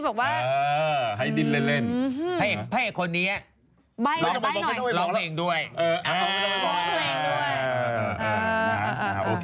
บ่ายออกจากใต้หน่อยเหนือก่อนก็ไม่ต้องอย่าบอก